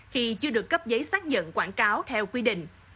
khi chưa được cấp giấy xác nhận quảng cáo theo quy định